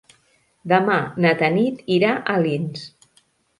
Demà na Tanit irà a Alins.